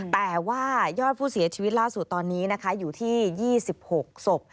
แต่ว่ายอดผู้เสียชีวิตล่าสุดตอนนี้นะคะอยู่ที่๒๖ศพ